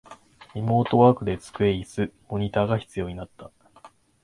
リモートワークで机、イス、モニタが必要になった